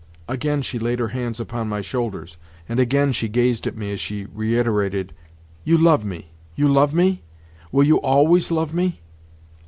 Again she laid her hands upon my shoulders, and again she gazed at me as she reiterated: "You love me, you love me? Will you always love me?"